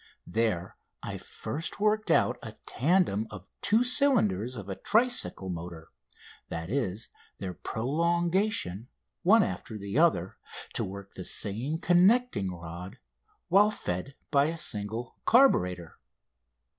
There I first worked out a tandem of two cylinders of a tricycle motor that is, their prolongation, one after the other, to work the same connecting rod while fed by a single carburator.